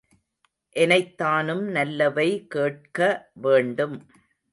எனைத்தானும் நல்லவை கேட்க, வேண்டும்.